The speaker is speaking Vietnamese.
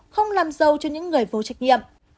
không làm dâu cho những người vô trách nhiệm